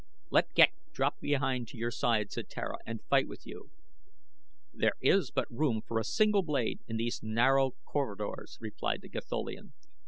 "Let Ghek drop behind to your side," said Tara, "and fight with you." "There is but room for a single blade in these narrow corridors," replied the Gatholian.